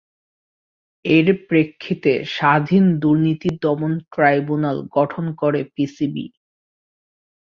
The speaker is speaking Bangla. এর প্রেক্ষিতে স্বাধীন দুর্নীতি দমন ট্রাইব্যুনাল গঠন করে পিসিবি।